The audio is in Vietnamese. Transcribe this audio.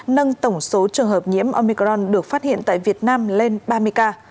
nâng tổng số trường hợp nhiễm omicron được phát hiện tại việt nam lên ba mươi ca